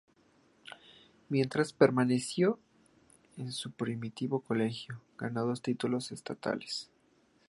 Mientras permaneció en su primitivo colegio, ganó dos títulos estatales.